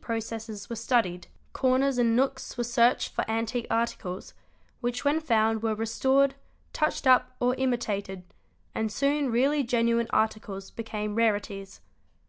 841 processes were studied; corners and nooks were searched for antique articles, which when found were restored, touched up, or imitated; and soon really genuine articles became rareties.